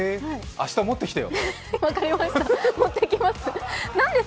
明日持ってきます。